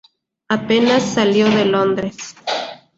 Apenas salió de Londres.